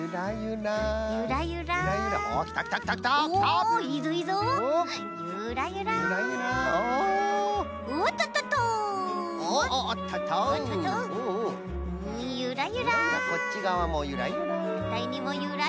ゆらゆら。